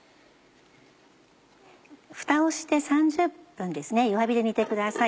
ふたをして３０分弱火で煮てください。